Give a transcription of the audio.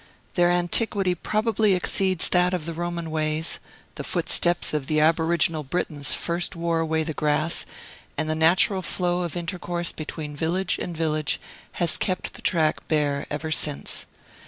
Their antiquity probably exceeds that of the Roman ways; the footsteps of the aboriginal Britons first wore away the grass, and the natural flow of intercourse between village and village has kept the track bare ever since.